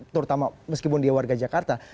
terutama meskipun dia warga jakarta